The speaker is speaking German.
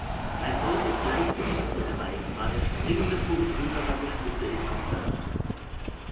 Ein solches Gleichgewicht zu erreichen, war der springende Punkt unserer Beschlüsse in Amsterdam.